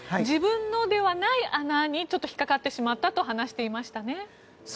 自分のではない穴に引っかかってしまったと話していましたね。